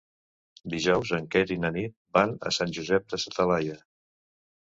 Dijous en Quer i na Nit van a Sant Josep de sa Talaia.